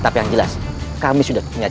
sebelum kitallow masuk ke seluangi